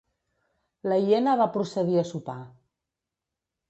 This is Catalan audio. La hiena va procedir a sopar.